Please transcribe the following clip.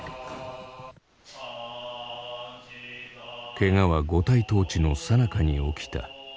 けがは五体投地のさなかに起きた。